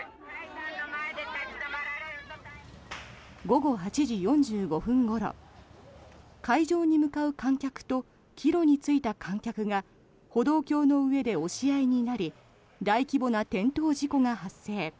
午後８時４５分ごろ会場に向かう観客と帰路に就いた観客が歩道橋の上で押し合いになり大規模な転倒事故が発生。